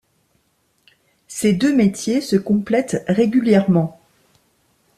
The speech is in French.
Ses deux métiers se complètent régulièrement.